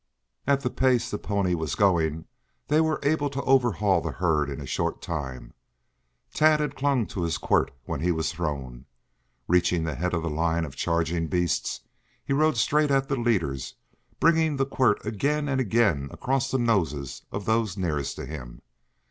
At the pace the pony was going they were able to overhaul the herd in a short time. Tad had clung to his quirt when he was thrown. Reaching the head of the line of charging beasts, he rode straight at the leaders, bringing the quirt again and again across the noses of those nearest to him.